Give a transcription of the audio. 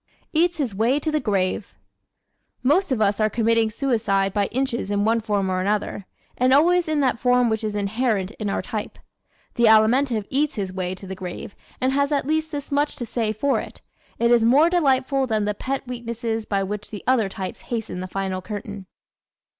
Eats His Way to the Grave ¶ Most of us are committing suicide by inches in one form or another and always in that form which is inherent in our type. The Alimentive eats his way to the grave and has at least this much to say for it: it is more delightful than the pet weaknesses by which the other types hasten the final curtain.